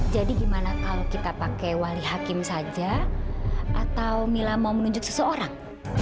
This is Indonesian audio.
jadi bagaimana kalau kita pakai wali hakim saja atau mila mau menunjuk seseorang